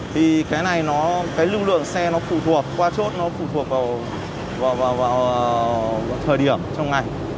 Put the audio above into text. thì cái này nó cái lưu lượng xe nó phụ thuộc qua chốt nó phụ thuộc vào thời điểm trong ngày